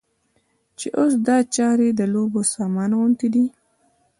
چې اوس دا چارې د لوبو سامان غوندې دي.